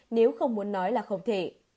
nếu không muốn nói là không thể